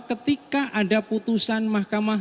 ketika ada putusan mahkamah